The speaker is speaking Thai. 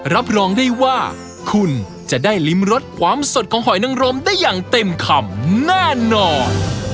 รับรองได้ว่าคุณจะได้ริมรสความสดของหอยนังรมได้อย่างเต็มคำแน่นอน